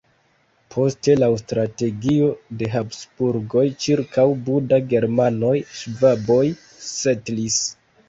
Poste laŭ strategio de Habsburgoj ĉirkaŭ Buda germanoj-ŝvaboj setlis.